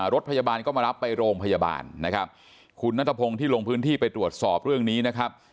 รถพยาบาลก็มารับไปโรงพยาบาลนะครับคุณนัทพงศ์ที่ลงพื้นที่ไปตรวจสอบเรื่องนี้นะครับ